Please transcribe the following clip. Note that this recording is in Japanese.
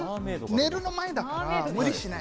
寝る前だから無理しない。